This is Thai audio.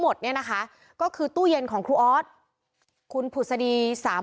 หมดเนี่ยนะคะก็คือตู้เย็นของครูออสคุณผุศดีสาม